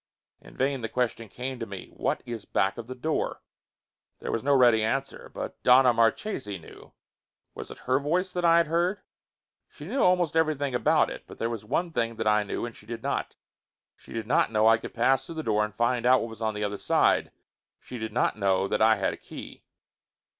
In vain the question came to me. What is back of the door? There was no ready answer. But, Donna Marchesi knew! Was it her voice that I had heard? She knew almost everything about it, but there was one thing that I knew and she did not. She did not know that I could pass through the door and find out what was on the other side. She did not know that I had a key.